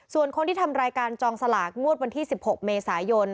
ส่วนคนที่ทำรายการจองสลากงวดวันที่๑๖เมษายน